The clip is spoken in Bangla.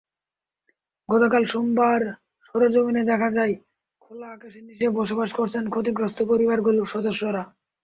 গতকাল সোমবার সরেজমিনে দেখা যায়, খোলা আকাশের নিচে বসবাস করছেন ক্ষতিগ্রস্ত পরিবারগুলোর সদস্যরা।